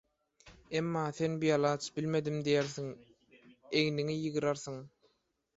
Emma sen bialaç: «Bilmedim» diýersiň, egniňi ýygyrarsyň.